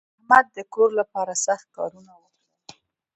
احمد د کور لپاره سخت کارونه وکړل.